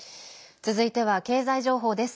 続いては経済情報です。